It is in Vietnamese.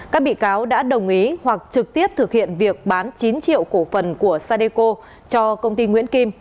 các bị cáo đã đồng ý hoặc trực tiếp thực hiện việc bán chín triệu cổ phần của sadeco cho công ty nguyễn kim